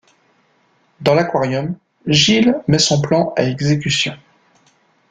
Dans l'aquarium, Gill met son plan à exécution.